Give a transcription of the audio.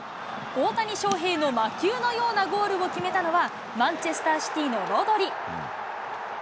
大谷翔平の魔球のようなゴールを決めたのは、マンチェスターシティのロドリ。